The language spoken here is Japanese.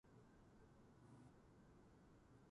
天子の威光と恩恵が四方八方に広くゆきわたること。